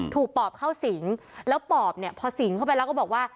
ถูกปอบเข้าสิงฯแล้วปอบพอสิงฯเข้าไปแล้วก็บอกว่า